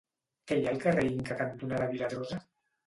Què hi ha al carrer Inca cantonada Viladrosa?